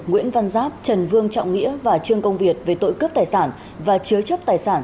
nguyễn văn giáp trần vương trọng nghĩa và trương công việt về tội cướp tài sản và chứa chấp tài sản